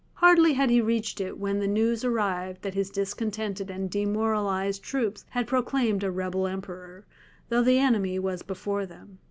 Hardly had he reached it when the news arrived that his discontented and demoralized troops had proclaimed a rebel emperor, though the enemy was before them.